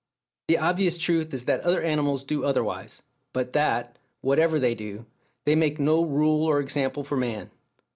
The obvious truth is that other animals do otherwise, but that, whatever they do, they make no rule or example for man.